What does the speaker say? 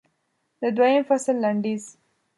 د دویم فصل لنډیز